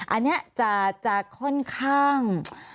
อันนี้จะค่อนข้าง